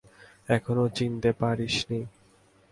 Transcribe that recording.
এখনও চিনতে পারিস নি?